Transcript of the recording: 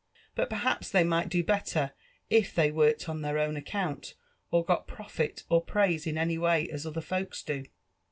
But perhaps they might do better if they worked on Iheir own accoont, or 99I profit er praise in any way as other folks do."